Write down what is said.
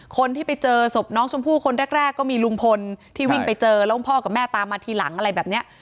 คนที่ไปเจอศพน้องชมพู่คนแรกก็มีลุงพลที่วิ่งไปเจอแล้วพ่อกับแม่ตามมาทีหลังอะไรแบบนี้